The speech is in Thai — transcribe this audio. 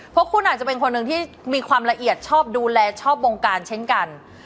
เพราะคุณอาจจะเป็นคนหนึ่งที่มีความละเอียดชอบดูแลชอบวงการเช่นกัน